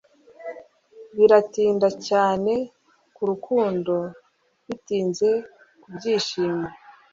biratinda cyane kurukundo, bitinze kubyishimo